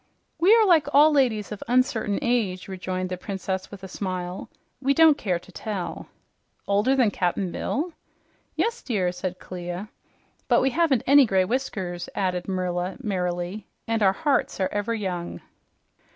"We are like all ladies of uncertain age," rejoined the Princess with a smile. "We don't care to tell." "Older than Cap'n Bill?" "Yes, dear," said Clia. "But we haven't any gray whiskers," added Merla merrily, "and our hearts are ever young."